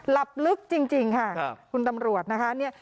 หลับลึกจริงค่ะคุณตำรวจนะคะเนี่ย